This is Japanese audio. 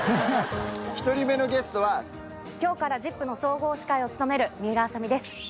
１人目のゲストは今日から『ＺＩＰ！』の総合司会を務める水卜麻美です。